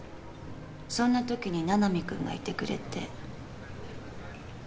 そんな時にナナミ君がいてくれて。